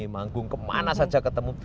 manggung kemana saja ketemu